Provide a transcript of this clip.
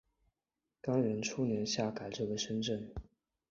干元初年复改置为深州。